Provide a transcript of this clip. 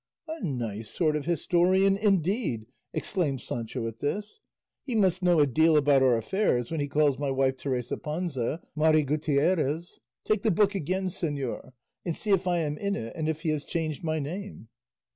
"A nice sort of historian, indeed!" exclaimed Sancho at this; "he must know a deal about our affairs when he calls my wife Teresa Panza, Mari Gutierrez; take the book again, señor, and see if I am in it and if he has changed my name."